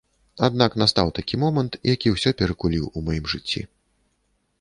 Аднак настаў такі момант, які ўсё перакуліў у маім жыцці.